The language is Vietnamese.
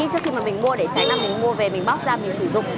trước khi mà mình mua để tránh là mình mua về mình bóp ra mình sử dụng